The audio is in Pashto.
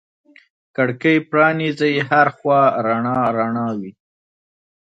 کړکۍ پرانیزې هر خوا رڼا رڼا وي